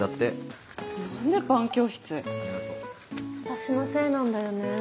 私のせいなんだよね。